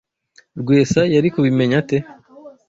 Rwesa yari kubimenya ate?